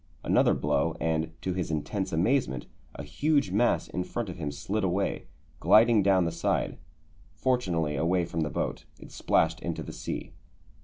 Another blow, and, to his intense amazement, a huge mass in front of him slid away. Gliding down the side, fortunately away from the boat, it splashed into the sea.